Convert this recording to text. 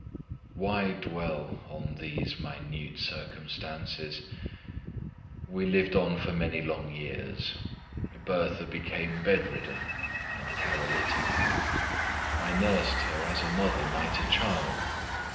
Why dwell on these minute circumstances? We lived on for many long years. Bertha became bed rid and paralytic: I nursed her as mother might a child.